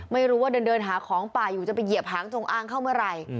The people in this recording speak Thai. ไม่รู้ว่าเดินหาของป่าอยู่จะไปเหยียบหางจงอ้างเข้าเมื่อไหร่